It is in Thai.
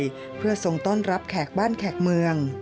เพื่อทรงต้อนรับแขกบ้านแขกเมือง